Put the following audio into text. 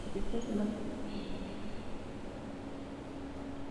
Se publicó en formato vinilo y en formato de disco compacto.